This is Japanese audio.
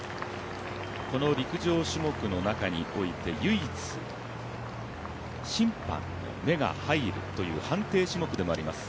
この陸上種目の中において、唯一審判の目が入るという判定種目でもあります。